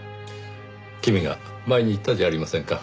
君が前に言ったじゃありませんか。